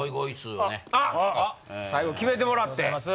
最後決めてもらって。